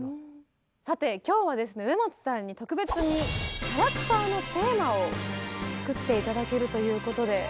さて今日はですね植松さんに特別にキャラクターのテーマを作って頂けるということで。